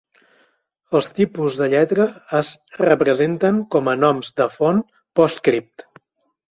Els tipus de lletra es representen com a noms de font PostScript.